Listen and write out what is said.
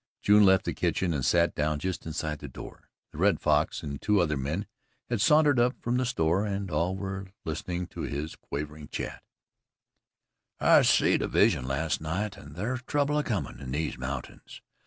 June left the kitchen and sat down just inside the door. The Red Fox and two other men had sauntered up from the store and all were listening to his quavering chat: "I seed a vision last night, and thar's trouble a comin' in these mountains.